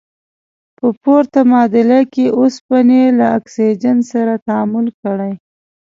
په پورته معادله کې اوسپنې له اکسیجن سره تعامل کړی.